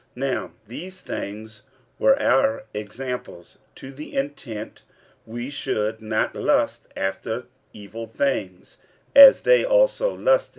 46:010:006 Now these things were our examples, to the intent we should not lust after evil things, as they also lusted.